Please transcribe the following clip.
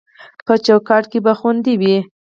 په چوکاټ کې به خوندي وي